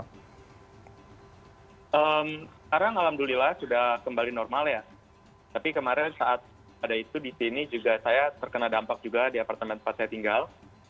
sekarang alhamdulillah sudah kembali normal ya tapi kemarin saat ada itu di sini juga saya terkena dampak juga di apartemen tempat saya tinggal